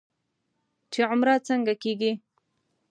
چې عمره څنګه کېږي.